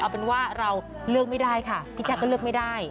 เอาเป็นว่าเราเลือกไม่ได้ค่ะพี่แท็กก็เลือกไม่ได้